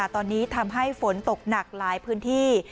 ตอนนี้ทำให้ฝนตกหนักหลายพื้นที่